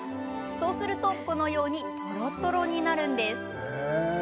そうすると、このようにとろとろになるんです。